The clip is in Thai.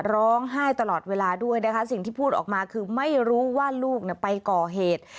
ร้องไห้ตลอดเวลาด้วยนะคะสิ่งที่พูดออกมาคือไม่รู้ว่าลูกไปก่อเหตุ